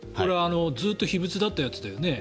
ずっと秘仏だったやつだよね。